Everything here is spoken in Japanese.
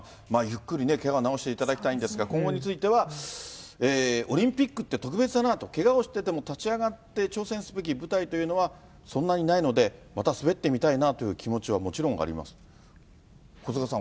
ゆっくりけが治していただきたいんですが、今後については、オリンピックって特別だなぁと、けがをしてても立ち上がって挑戦すべき舞台というのはそんなにないので、また滑ってみたいなという気持ちはもちろんありますと。